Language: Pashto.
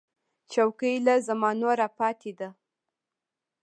چوکۍ له زمانو راپاتې ده.